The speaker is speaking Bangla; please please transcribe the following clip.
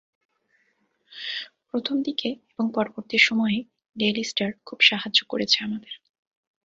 প্রথম দিকে এবং পরবর্তী সময়ে ডেইলি স্টার খুব সাহায্য করেছে আমাদের।